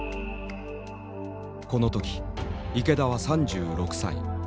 この時池田は３６歳。